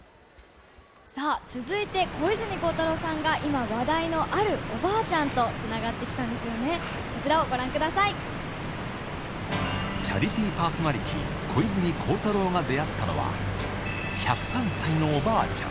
さあ、続いて、小泉孝太郎さんが今話題のあるおばあちゃんとつながってきたんでチャリティーパーソナリティー、小泉孝太郎が出会ったのは、１０３歳のおばあちゃん。